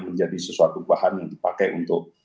membawa bahan yang dipakai untuk